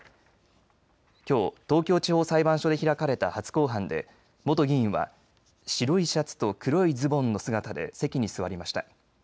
きょう東京地方裁判所で開かれた初公判で元議員は白いシャツと黒いズボンの姿で席に座りました。